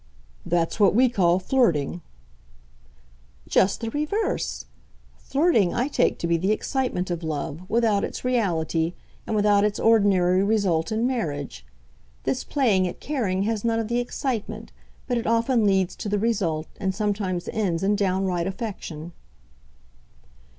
"That's what we call flirting." "Just the reverse. Flirting I take to be the excitement of love, without its reality, and without its ordinary result in marriage. This playing at caring has none of the excitement, but it often leads to the result, and sometimes ends in downright affection."